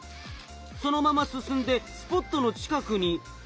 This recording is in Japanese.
そのまま進んでスポットの近くに。